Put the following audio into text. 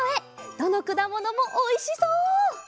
どのくだものもおいしそう！